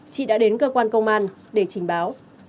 chị đã đến cơ quan công an để trình báo